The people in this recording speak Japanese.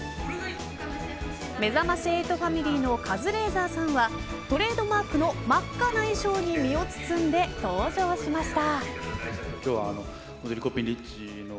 めざまし８ファミリーのカズレーザーさんはトレードマークの真っ赤な衣装に身を包んで登場しました。